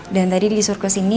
dan tadi disuruh kesini